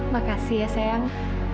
makasih ya sayang